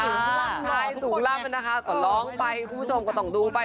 ว่านไลน์สูงล่ามันนะคะก็ร้องไปคุณผู้ชมก็ต้องดูไป